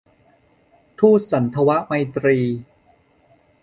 ทูตสันถวไมตรี